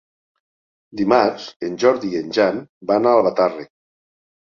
Dimarts en Jordi i en Jan van a Albatàrrec.